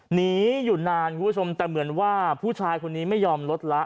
หนีอยู่นานคุณผู้ชมแต่เหมือนว่าผู้ชายคนนี้ไม่ยอมลดละ